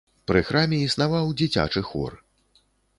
Пры храме існаваў дзіцячы хор.